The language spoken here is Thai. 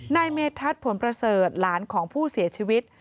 นายเมธัศนผลประเสริฐหลานของผู้เสียชีวิต